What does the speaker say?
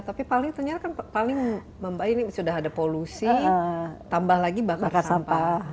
tapi ternyata kan paling sudah ada polusi tambah lagi membakar sampah